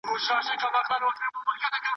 د جهنم له اوره د خلاصون اتيا سببونه؛